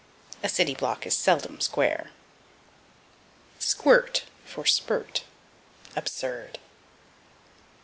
A city block is seldom square. Squirt for Spurt. Absurd.